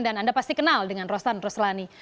dan anda pasti kenal dengan rosan roslani